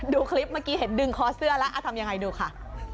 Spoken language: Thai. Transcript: ดูคลิปเมื่อกี้เห็นดึงคอเสื้อแล้วทำยังไงดูค่ะ